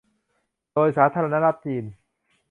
โดยสาธารณรัฐจีน